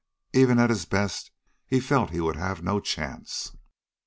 Even at his best he felt that he would have no chance.